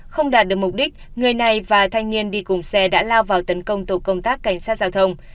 không đạt được mục đích người này và thanh niên đi cùng xe đã lao vào tấn công tổ công tác cảnh sát giao thông